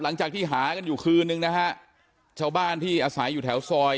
หลังจากที่หากันอยู่คืนนึงนะฮะชาวบ้านที่อาศัยอยู่แถวซอย